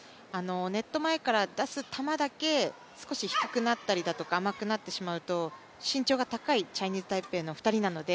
ネット前から出す球だけ少し低くなったりだとか甘くなってしまうと、身長が高いチャイニーズ・タイペイの２人なので